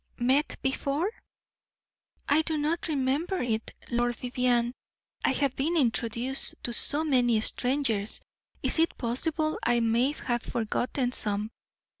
"Met before? I do not remember it, Lord Vivianne. I have been introduced to so many strangers, it is possible I may have forgotten some.